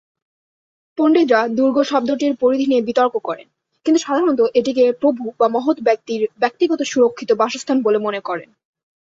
পণ্ডিতরা দুর্গ শব্দটির পরিধি নিয়ে বিতর্ক করেন, কিন্তু সাধারণত এটিকে প্রভু বা মহৎ ব্যক্তির ব্যক্তিগত সুরক্ষিত বাসস্থান বলে মনে করেন।